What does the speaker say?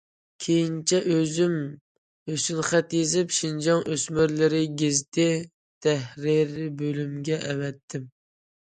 كېيىنچە ئۆزۈم ھۆسنخەت يېزىپ‹‹ شىنجاڭ ئۆسمۈرلىرى›› گېزىتى تەھرىر بۆلۈمىگە ئەۋەتتىم.